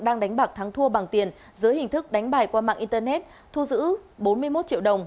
đang đánh bạc thắng thua bằng tiền dưới hình thức đánh bài qua mạng internet thu giữ bốn mươi một triệu đồng